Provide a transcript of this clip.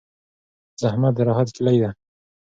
زحمت د راحت کیلي ده.